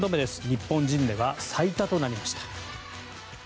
日本人では最多となりました。